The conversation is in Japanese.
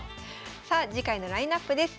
さあ次回のラインナップです。